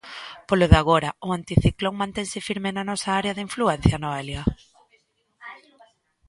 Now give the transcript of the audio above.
Polo de agora, o anticiclón mantense firme na nosa área de influencia, Noelia?